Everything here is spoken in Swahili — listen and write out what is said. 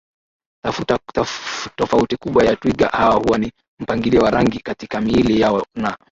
Tofauti kubwa ya twiga hawa huwa ni mpangilio wa rangi katika miili yao na